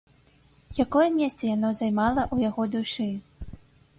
Якое месца яно займала ў яго душы?